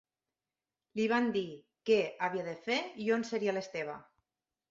Li van dir què havia de fer i on seria l'Steve.